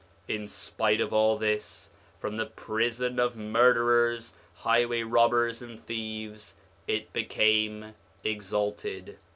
In spite of all this, from the prison of murderers, highway robbers, and thieves, it became exalted.